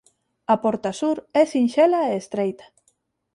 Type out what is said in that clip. A porta sur é sinxela e estreita.